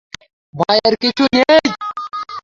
ভয়ের কিছু নেই।